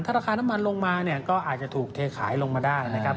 ราคาน้ำมันลงมาเนี่ยก็อาจจะถูกเทขายลงมาได้นะครับ